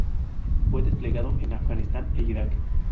Fue desplegado en Afganistán e Irak.